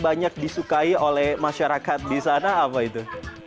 banyak disukai oleh masyarakat di sana apa itu